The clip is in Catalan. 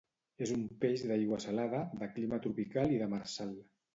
És un peix d'aigua salada, de clima tropical i demersal.